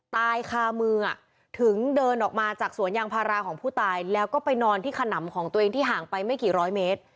ตายคามือถึงเดินออกมาจากสวนยางพาราของผู้ตายแล้วก็ไปนอนที่ขนำของตัวเองที่ห่างไปไม่กี่ร้อยเมตร